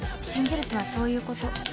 信じるとはそういうこと。